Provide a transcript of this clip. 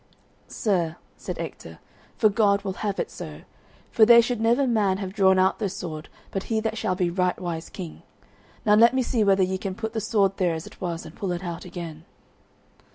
"Sir," said Ector, "for God will have it so; for there should never man have drawn out this sword but he that shall be rightwise king. Now let me see whether ye can put the sword there as it was, and pull it out again."